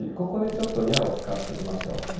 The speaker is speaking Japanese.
ここでちょっと「や」を使っときましょう。